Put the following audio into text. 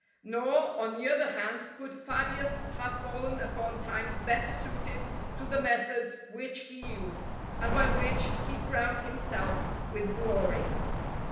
Nor, on the other hand, could Fabius have fallen upon times better suited to the methods which he used, and by which he crowned himself with glory.